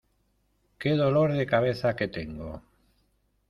¡Qué dolor de cabeza que tengo!